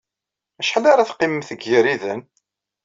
Acḥal ara teqqimemt deg Igariden?